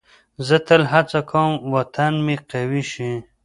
زه تل هڅه کوم وطن مې قوي شي.